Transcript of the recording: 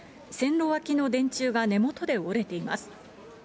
線路脇の電柱が根元で折れています。